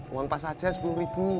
uang pas aja sepuluh ribu